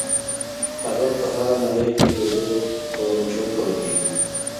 هغه په هغه نړۍ کې دده په چوپړ کې وي.